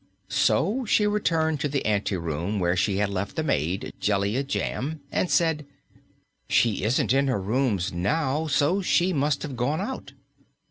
So she returned to the anteroom where she had left the maid, Jellia Jamb, and said: "She isn't in her rooms now, so she must have gone out."